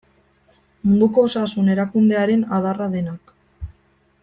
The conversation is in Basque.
Munduko Osasun Erakundearen adarra denak.